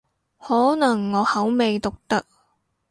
可能我口味獨特